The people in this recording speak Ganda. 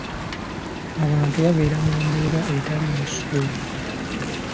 Abantu babeera mu mbeera etaliimu ssuubi.